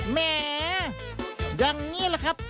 แหมอย่างนี้แหละครับ